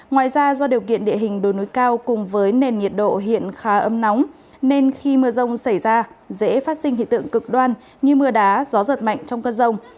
ngoài ra do điều kiện địa hình đồi núi cao cùng với nền nhiệt độ hiện khá ấm nóng nên khi mưa rông xảy ra dễ phát sinh hiện tượng cực đoan như mưa đá gió giật mạnh trong cơn rông